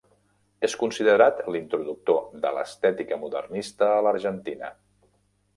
És considerat l'introductor de l'estètica modernista a l'Argentina.